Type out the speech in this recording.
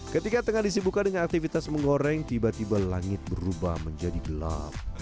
ketika tengah disibukan dengan aktivitas mengoreng tiba tiba langit berubah menjadi gelap